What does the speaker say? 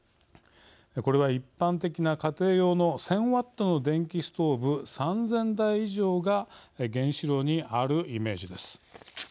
これは、一般的な家庭用の１０００Ｗの電気ストーブ３０００台以上が原子炉にあるイメージです。